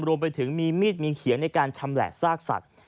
รวมไปถึงมีมีดมีเขียงในการชำแหละซากสัตว์